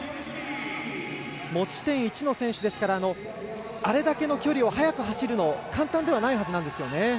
持ち点１の選手ですからあれだけの距離を速く走るのを簡単ではないはずなんですよね。